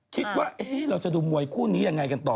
คิดว่าเราจะดูมวยคู่นี้ยังไงกันต่อ